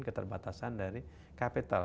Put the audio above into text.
keterbatasan dari capital